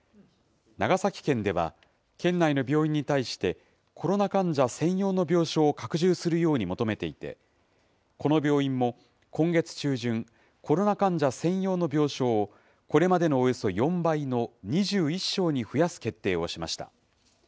長崎県では、県内の病院に対して、コロナ患者専用の病床を拡充するように求めていて、この病院も今月中旬、コロナ患者専用の病床をこれまでのおよそ４倍の２１床に増やす決定をしました。